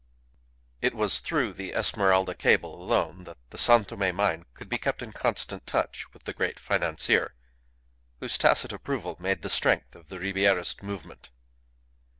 It was through the Esmeralda cable alone that the San Tome mine could be kept in constant touch with the great financier, whose tacit approval made the strength of the Ribierist movement.